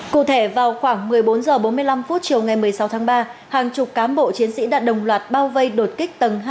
cụ thể vào khoảng một mươi bốn h bốn mươi năm chiều ngày một mươi sáu tháng ba hàng chục cán bộ chiến sĩ đã đồng loạt bao vây đột kích tầng hai